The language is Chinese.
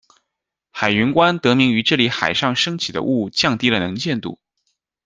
海云关得名于这里海上升起的雾降低了能见度。